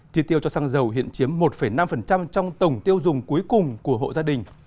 chi tiêu cho xăng dầu hiện chiếm một năm trong tổng tiêu dùng cuối cùng của hộ gia đình